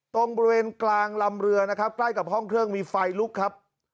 ตรงบริเวณกลางลำเรือนะครับใกล้กับห้องเครื่องมีไฟลุกครับ